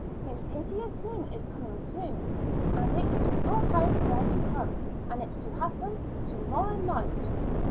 Miss Katie O'Flynn is coming, too, and it's to your house they're to come; and it's to happen to morrow night."